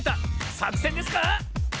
さくせんですか